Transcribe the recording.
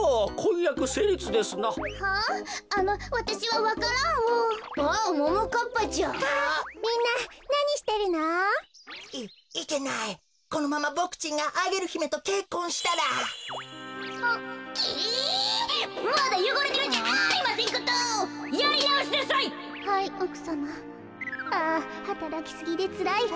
あはたらきすぎでつらいわ。